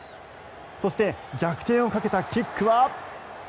そして逆転をかけたキックは。